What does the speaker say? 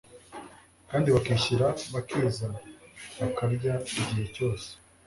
kandi bakishyira bakizana, bakarya igihe cyose,